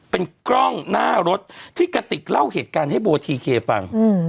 เป็นกล้องหน้ารถที่กระติกเล่าเหตุการณ์ให้โบทีเคฟัง